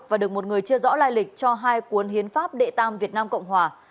và được một người chưa rõ lai lịch cho hai cuốn hiến pháp đệ tam việt nam cộng hòa